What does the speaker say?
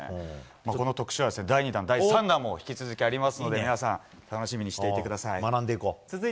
この特集は第２弾第３弾も引き続きありますので楽しみにしていてください。